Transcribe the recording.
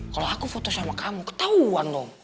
kalau aku foto sama kamu ketahuan loh